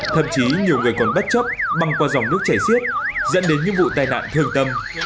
thậm chí nhiều người còn bất chấp băng qua dòng nước chảy xiết dẫn đến những vụ tai nạn thương tâm